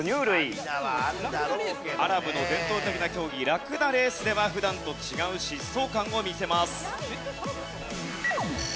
アラブの伝統的な競技ラクダレースでは普段と違う疾走感を見せます。